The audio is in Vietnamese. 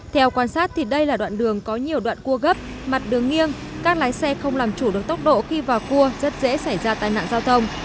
theo quan sát thì đây là đoạn đường có nhiều đoạn cua gấp mặt đường nghiêng các lái xe không làm chủ được tốc độ khi vào cua rất dễ xảy ra tai nạn giao thông